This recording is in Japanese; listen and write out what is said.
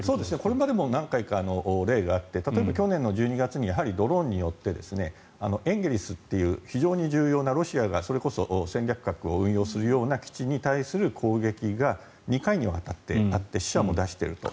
これまでも何回か例があって例えば去年１２月にドローンによって非常に重要なロシアがそれこそ戦略核を運用するような基地に対する攻撃が２回にわたってあって死者も出していると。